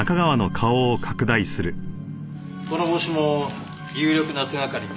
この帽子も有力な手掛かりになるでしょう。